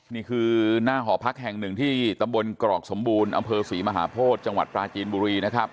นี่คือหน้าหอพักแห่งหนึ่งที่ตำบลกรอกสมบูรณ์อำเภอศรีมหาโพธิจังหวัดปราจีนบุรีนะครับ